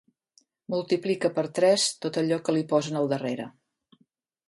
Multiplica per tres tot allò que li posen al darrere.